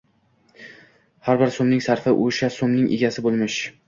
Har bir so‘mning sarfi... o‘sha so‘mning egasi bo‘lmish